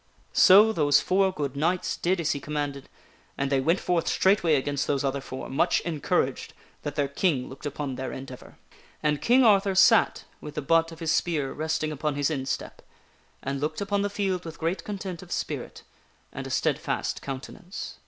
So those four good knights did as he commanded, and they went forth straightway against those other four, much encouraged that their King looked upon their endeavor. And King Arthur sat with the butt of his spear resting upon his instep, and looked upon the field with great con tent of spirit, and a steadfast countenance.